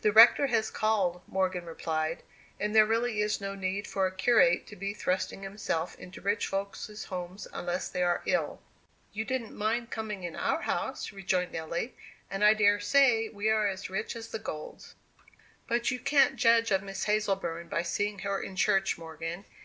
"The rector has called," Morgan replied, "and there really is no need for a curate to be thrusting himself into rich folks' houses unless they are ill." "You didn't mind coming to our house," rejoined Nelly, "and I daresay we are as rich as the Golds. But you can't judge of Miss Hazleburn by seeing her in church, Morgan.